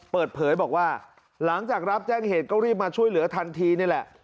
เปิดเผยบอกว่าหลังจากรับแจ้งเหตุก็รีบมาช่วยเหลือทันทีนี่แหละ